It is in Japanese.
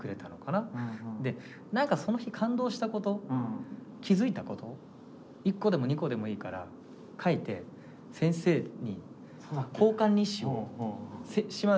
何かその日感動したこと気付いたこと１個でも２個でもいいから書いて先生に交換日誌を嶋津先生が提案してくれたんです。